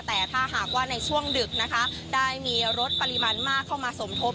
แต่ถ้าหากว่าในช่วงดึกนะคะได้มีรถปริมาณมากเข้ามาสมทบ